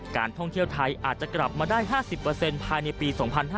การท่องเที่ยวไทยอาจจะกลับมาได้๕๐ภายในปี๒๕๕๙